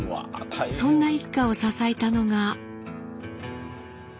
そんな一家を支えたのが。